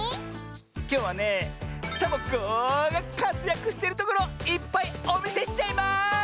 きょうはねサボ子がかつやくしてるところをいっぱいおみせしちゃいます！